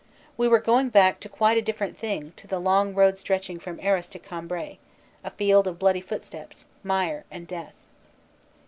We were going back to quite a different thing to the long road stretching from Arras to Cambrai, a field of bloody footsteps, mire and death.